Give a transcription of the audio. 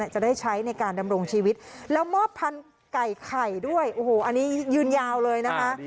จะได้ใช้ในการดำรงชีวิตแล้วมอบพันธุ์ไก่ไข่ด้วยโอ้โหอันนี้ยืนยาวเลยนะคะ